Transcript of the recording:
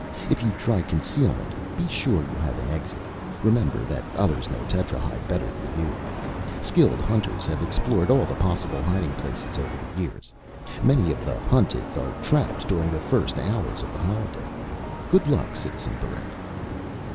If you try concealment, be sure you have an exit. Remember that others know Tetrahyde better than you. Skilled Hunters have explored all the possible hiding places over the years; many of the Hunted are trapped during the first hours of the holiday. Good luck, Citizen Barrent."